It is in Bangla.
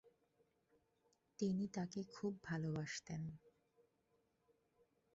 তিনি তাঁকে খুব ভালবাসতেন।